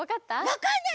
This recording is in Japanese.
わかんない！